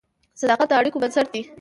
صداقت د اړیکو بنسټ دی.